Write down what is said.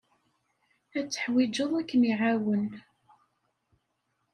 Ad t-teḥwijeḍ ad kem-iɛawen.